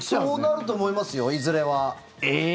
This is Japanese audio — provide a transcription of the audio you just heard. そうなると思いますよ。いずれは。